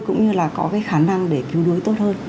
cũng như là có cái khả năng để cứu đuối tốt hơn